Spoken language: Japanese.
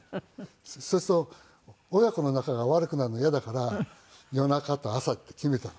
そうすると親子の仲が悪くなるの嫌だから夜中と朝って決めたの。